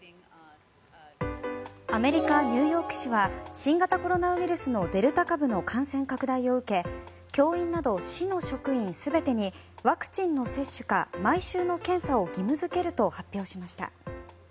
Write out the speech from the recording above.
アメリカ・ニューヨーク市は新型コロナウイルスのデルタ株の感染拡大を受け教員など市の職員全てにワクチンの接種か毎週の検査を義務付けると発表しました。